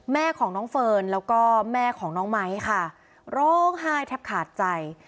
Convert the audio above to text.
แม่ของน้องเฟิร์นแล้วก็แม่ของน้องไม้ค่ะร้องไห้แทบขาดใจ